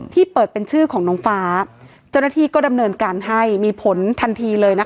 เปิดเป็นชื่อของน้องฟ้าเจ้าหน้าที่ก็ดำเนินการให้มีผลทันทีเลยนะคะ